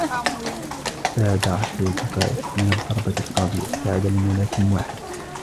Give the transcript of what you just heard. بعد عشر دقائق من الضربة القاضية ، استعاد الملاكم وعيه.